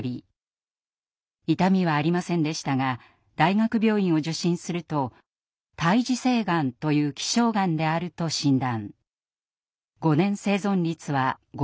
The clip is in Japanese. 痛みはありませんでしたが大学病院を受診すると胎児性がんという希少がんであると診断。